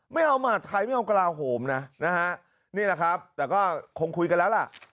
ไม่เอามหาดไทยไม่เอากระลาโหมนะนะฮะนี่แหละครับแต่ก็คงคุยกันแล้วล่ะ